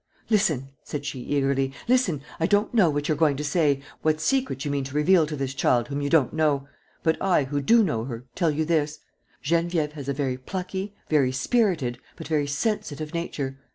"Listen," said she, eagerly, "listen. I don't know what you are going to say, what secret you mean to reveal to this child whom you don't know. But I, who do know her, tell you this: Geneviève has a very plucky, very spirited, but very sensitive nature.